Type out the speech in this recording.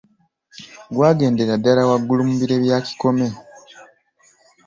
Gwagendera ddala waggulu mu bire bya kikome.